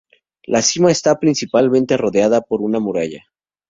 La cima está parcialmente rodeada por una muralla.